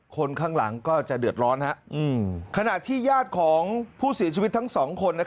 คนข้างหลังก็จะเดือดร้อนขณะที่ญาติของผู้เสียชีวิตทั้งสองคน